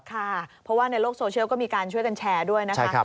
ค่ะเพราะว่าในโลกโซเชียลก็มีการช่วยกันแชร์ด้วยนะคะ